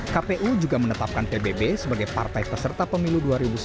kpu juga menetapkan pbb sebagai partai peserta pemilu dua ribu sembilan belas